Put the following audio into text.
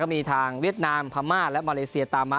มีทางเวียดนามพม่าและมาเลเซียตามมา